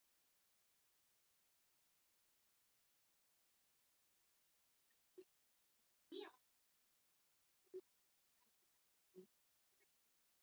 au wanapomsaidia kuzaa au kugusa vitoto au vijusi na uchafu wa vijusi hivyo